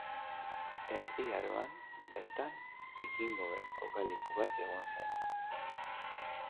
Erdi Aroan bertan bikingoen kokaleku bat egon zen.